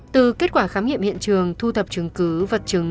từ kết quả khám nghiệm hiện trường thu thập chứng cứ vật chứng